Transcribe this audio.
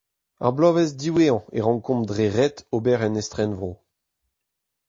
Ar bloavezh diwezhañ a rankomp dre ret ober en estrenvro.